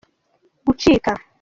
gucika